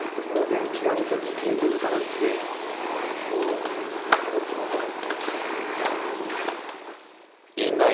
電気が全部切れてるからですね、もう動きませんね。